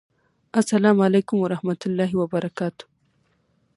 اسلام اعلیکم ورحمت الله وبرکاته